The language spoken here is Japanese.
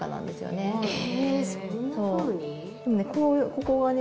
ここがね